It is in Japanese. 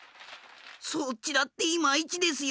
そっちだってイマイチですよ。